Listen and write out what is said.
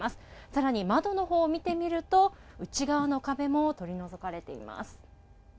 さらに窓のほうを見てみると内側の壁も取り除かれています。